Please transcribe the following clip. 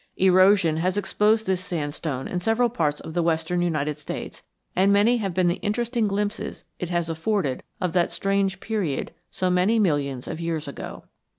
Erosion has exposed this sandstone in several parts of the western United States, and many have been the interesting glimpses it has afforded of that strange period so many millions of years ago.